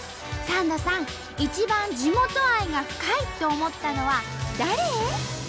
サンドさん一番地元愛が深いと思ったのは誰？